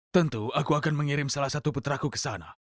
tentu aku akan mengirim salah satu putraku ke sana